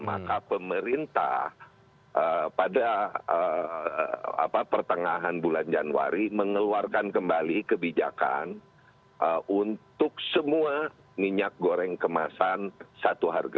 maka pemerintah pada pertengahan bulan januari mengeluarkan kembali kebijakan untuk semua minyak goreng kemasan satu harga